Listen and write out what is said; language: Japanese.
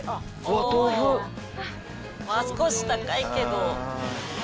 少し高いけど。